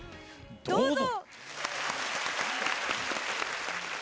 どうぞ！